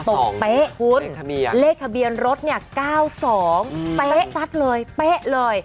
ตกแปะคุณเลขคบียนรถเนี่ย๙๒แปะตัดเลยแปะเลย